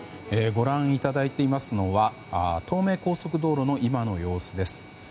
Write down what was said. ご覧いただいていますのは東名高速道路の今の様子です。